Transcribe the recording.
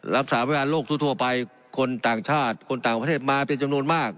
รับสามารถวิบาลโรคทั่วไปคนต่างชาติคนต่างของประเทศมาเป็นจำนวนมาก